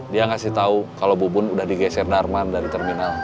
dia ngasih tahu kalau bubun udah digeser darman dari terminal